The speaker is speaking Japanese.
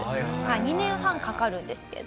２年半かかるんですけど。